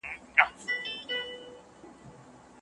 کتاب د انسان ذهن ته ځواک ورکوي او د فکر ژورتيا زياتوي هر وخت.